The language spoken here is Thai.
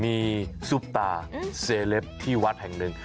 มีซุปตาเซเลปที่วัดแห่งหนึ่ง